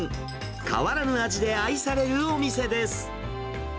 変わらぬ味で愛されるお店です。